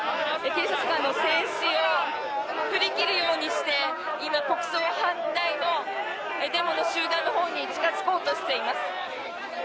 警察官の制止を振り切るようにして今、国葬反対のデモの集団のほうに近付こうとしています。